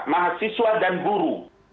mahasiswa dan guru